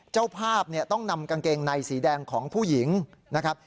เจ้าภาพเนี่ยต้องนำกางเกงในสีแดงของผู้หญิงนะครับ